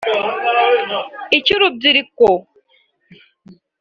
icy’urubyiruko